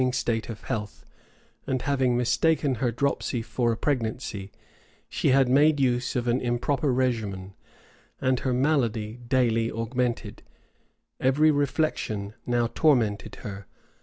Mary had long been in a declining state of health; and having mistaken her dropsy for a pregnancy, she had made use of an improper regimen, and her malady daily augmented. Every reflection now tormented her.